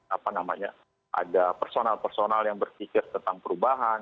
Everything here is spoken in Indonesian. apa namanya ada personal personal yang berpikir tentang perubahan